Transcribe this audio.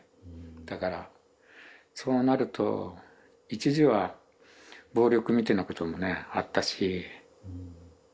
だからそうなると一時は暴力みたいなこともねあったし。